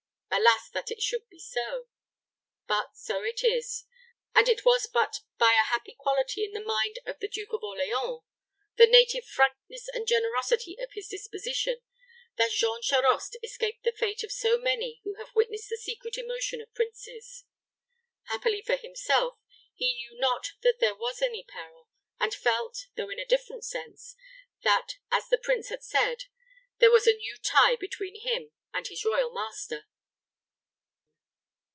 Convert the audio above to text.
Alas, that it should be so! But so it is; and it was but by a happy quality in the mind of the Duke of Orleans the native frankness and generosity of his disposition that Jean Charost escaped the fate of so many who have witnessed the secret emotion of princes. Happily for himself, he knew not that there was any peril, and felt, though in a different sense, that, as the prince had said, there was a new tie between him and his royal master.